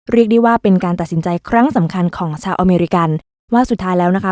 เรียกได้ว่าเป็นการตัดสินใจครั้งสำคัญของชาวอเมริกันว่าสุดท้ายแล้วนะคะ